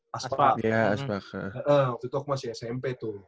waktu itu aku masih smp tuh